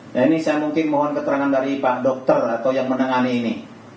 nah ini saya mungkin mohon keterangan dari pak dokter atau yang menangani ini